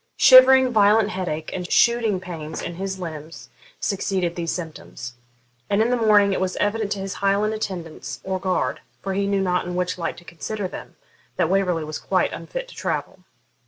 Shivering, violent headache, and shooting pains in his limbs succeeded these symptoms; and in the morning it was evident to his Highland attendants or guard, for he knew not in which light to consider them, that Waverley was quite unfit to travel.